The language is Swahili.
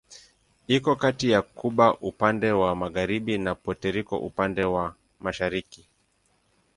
Iko kati ya Kuba upande wa magharibi na Puerto Rico upande wa mashariki.